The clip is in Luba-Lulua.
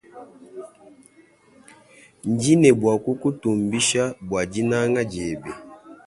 Ndinebuwakukutumbisha bwa dinanga diebe.